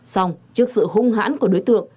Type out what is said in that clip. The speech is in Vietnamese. song trước sự hung hãn của đối tượng